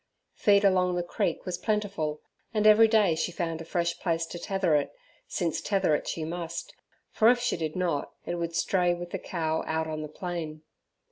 Feed along the creek was plentiful, and every day she found a fresh place to tether it, since tether it she must, for if she did not, it would stray with the cow out on the plain.